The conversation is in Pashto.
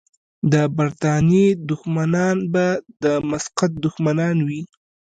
د برتانیې دښمنان به د مسقط دښمنان وي.